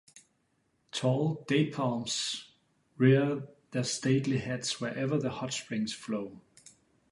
Tall date-palms rear their stately heads wherever the hot springs flow.